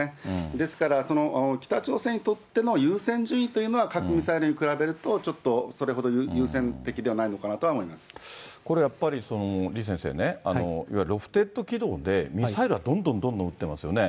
ですから、北朝鮮にとっての優先順位というのは、核ミサイルに比べるとちょっとそれほど優先的ではないのかなとはこれやっぱり、李先生ね、いわゆるロフテッド軌道で、ミサイルはどんどんどんどんうってますよね。